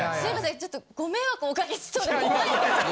ちょっとご迷惑おかけしそうで怖いんですけど。